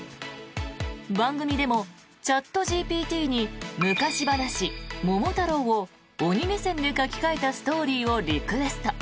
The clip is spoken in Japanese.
番組でも、チャットＧＰＴに昔話「桃太郎」を鬼目線で書き換えたストーリーをリクエスト。